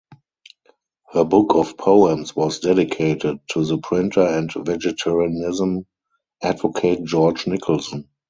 Her book of poems was dedicated to the printer and vegetarianism advocate George Nicholson.